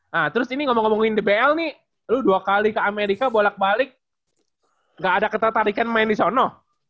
nah terus ini ngomong ngomongin dbl nih lu dua kali ke amerika bolak balik nggak ada ketertarikan main di sana